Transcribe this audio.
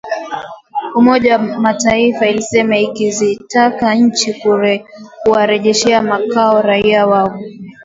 Umoja wa Mataifa ilisema ikizitaka nchi kuwarejesha makwao raia wao.